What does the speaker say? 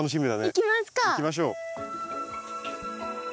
行きましょう。